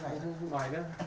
trái lại trái lại trái lại